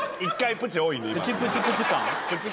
プチプチプチ感？